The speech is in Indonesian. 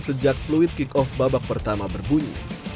sejak fluid kick off babak pertama berbunyi